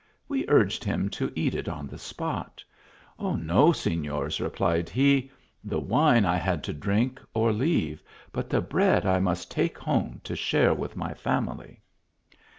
We urged him to eat it on the spot. " No, Signors," re plied he, " the wine I had to drink, or leave ; but the bread I must take home to share with my family."